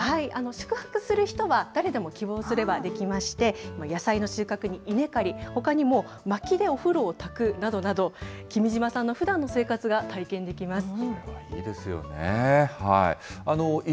宿泊する人は、誰でも希望すればできまして、野菜の収穫に稲刈り、ほかにもまきでお風呂をたくなどなど、君島さんのふだんの生活が体験できます。